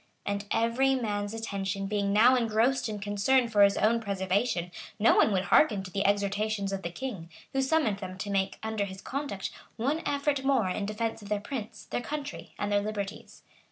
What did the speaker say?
[] And every man's attention being now engrossed in concern for his own preservation, no one would hearken to the exhortations of the king, who summoned them to make, under his conduct, one effort more in defence of their prince, their country, and their liberties.